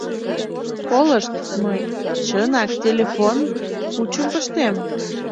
— Колышт, мый, чынак, телефон пучым пыштем.